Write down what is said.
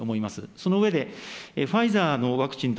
その上で、ファイザーのワクチンと。